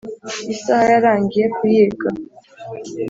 Isaha yarangye kuyiga